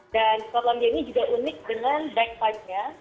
dan skotlandia ini juga unik dengan backpipe nya